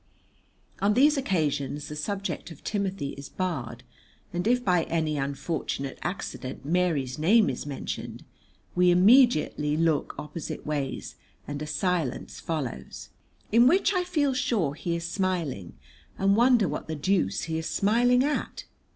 On these occasions the subject of Timothy is barred, and if by any unfortunate accident Mary's name is mentioned, we immediately look opposite ways and a silence follows, in which I feel sure he is smiling, and wonder what the deuce he is smiling at.